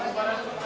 ya saya ingin tahu